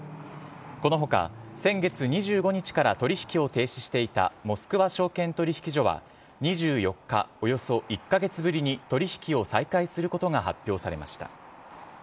この他、先月２５日から取引を停止していたモスクワ証券取引所は２４日、およそ１カ月ぶりに取引を再開することが発表されました。